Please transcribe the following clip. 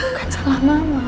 bukan salah mama